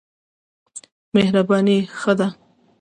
مهرباني ښه ده.